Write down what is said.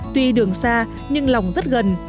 tuy đường xa nhưng lòng rất gần